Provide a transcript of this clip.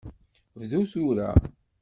Bdu tura.